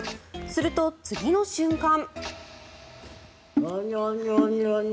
すると、次の瞬間。